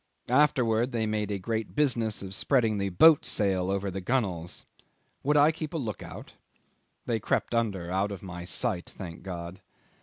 Afterwards they made a great business of spreading the boat sail over the gunwales. Would I keep a look out? They crept under, out of my sight, thank God!